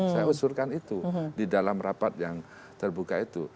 saya usulkan itu di dalam rapat yang terbuka itu